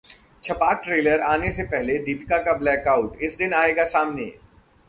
छपाक trailer आने से पहले दीपिका का ब्लैक आउट, इस दिन आएगा सामने